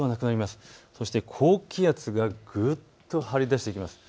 高気圧がぐっと張り出してきます。